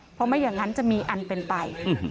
เพราะไม่อย่างนั้นจะมีอันเป็นไป